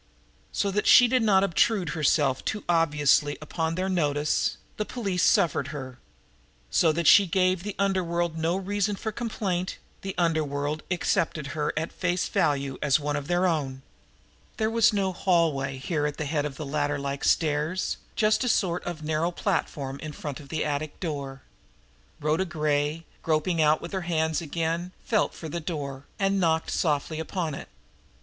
So that she did not obtrude herself too obviously upon their notice, the police suffered her; so that she gave the underworld no reason for complaint, the underworld accepted her at face value as one of its own! There was no hallway here at the head of the ladder like stairs, just a sort of narrow platform in front of the attic door. Rhoda Gray, groping out with her hands again, felt for the door, and knocked softly upon it.